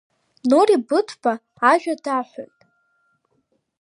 Нури Быҭәба ажәа даҳәоит.